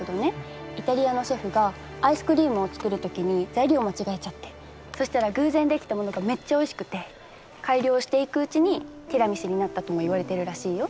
イタリアのシェフがアイスクリームを作る時に材料を間違えちゃってそしたら偶然出来たものがめっちゃおいしくて改良していくうちにティラミスになったともいわれてるらしいよ。